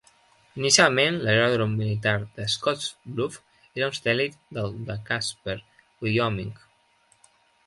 Inicialment, l'aeròdrom militar de Scottsbluff era un satèl·lit del de Casper, Wyoming.